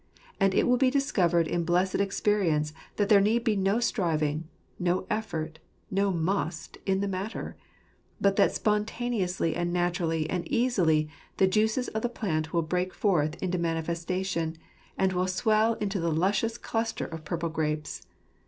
And it will be discovered in blessed experience that there need be no striving, no effort, no " must " in the matter ; but that spontaneously and naturally and easily the juices of the plant will break forth into manifestation, and will swell into the luscious cluster of purple grapes.